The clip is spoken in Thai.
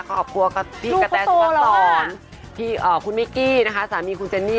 ครอบครัวพี่กะแตสุพักษรคุณมิกกี้นะคะสามีคุณเจนนี่